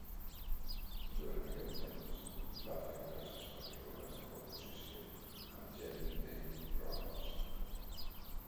Durant aquest temps, va fer classes particulars de composició amb Jeremy Dale Roberts.